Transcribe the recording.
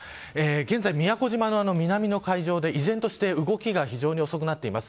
現在、宮古島の南の海上で依然として動きが非常に遅くなってます。